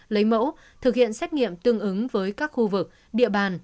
lấy mẫu thực hiện xét nghiệm tương ứng với các khu vực địa bàn